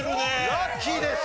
ラッキーです！